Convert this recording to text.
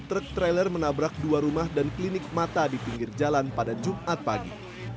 truk trailer menabrak dua rumah dan klinik mata di pinggir jalan pada jumat pagi